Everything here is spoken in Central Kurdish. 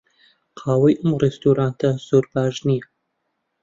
قاوەی ئەم ڕێستۆرانتە زۆر باش نییە.